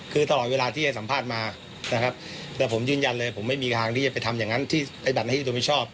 คือตลอดเวลาที่ให้สัมภาษณ์มานะครับแล้วผมยืนยันเลยผมไม่มีทางที่จะไปทำอย่างนั้นที่ปฏิบัติหน้าที่โดยไม่ชอบ